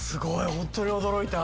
本当に驚いた。